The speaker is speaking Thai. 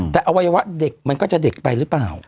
แต่อวัยวะเด็กมันก็จะเด็กไปหรือเปล่า